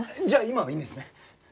じゃあ今はいいんですね？